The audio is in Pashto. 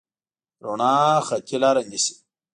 رڼا خطي لاره نیسي.